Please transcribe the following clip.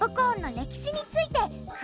歴史？